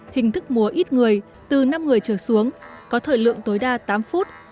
hình thức múa ít người từ năm người trở xuống có thời lượng tối đa tám phút